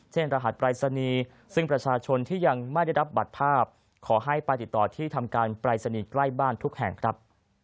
รหัสปรายศนีย์ซึ่งประชาชนที่ยังไม่ได้รับบัตรภาพขอให้ไปติดต่อที่ทำการปรายศนีย์ใกล้บ้านทุกแห่งครับ